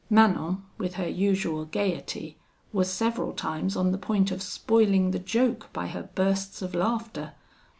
Manon, with her usual gaiety, was several times on the point of spoiling the joke by her bursts of laughter.